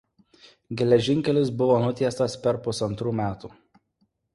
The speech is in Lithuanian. Geležinkelis buvo nutiestas per pusantrų metų.